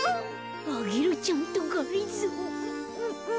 アゲルちゃんとがりぞー。